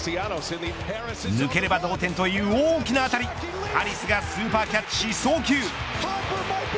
抜ければ同点という大きな当たりハリスがスーパーキャッチし送球。